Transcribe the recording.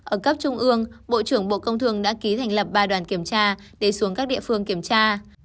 ở cấp trung ương bộ trưởng bộ công thường đã ký thành lập ba đoàn kiểm tra để xuống các địa phương kiểm tra